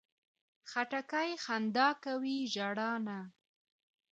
خټکی خندا کوي، ژړا نه.